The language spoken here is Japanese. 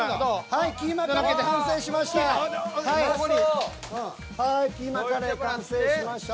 はいはいキーマカレー完成しました。